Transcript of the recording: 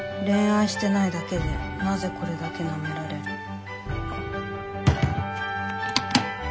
恋愛してないだけでなぜこれだけ舐められる」。